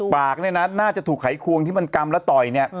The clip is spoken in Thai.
ปากเนี่ยนะน่าจะถูกไขควงที่มันกำแล้วต่อยเนี่ย